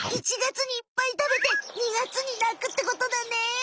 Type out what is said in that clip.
１月にいっぱい食べて２月になくってことだね！